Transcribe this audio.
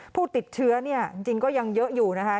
ผู้ติดเชื้อเนี่ยจริงก็ยังเยอะอยู่นะคะ